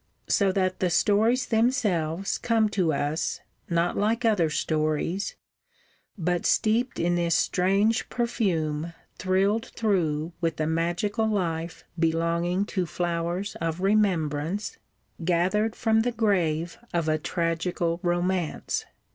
So that the stories themselves come to us, not like other stories, but steeped in this strange perfume thrilled through with the magical life belonging to flowers of remembrance, gathered from the grave of a tragical romance.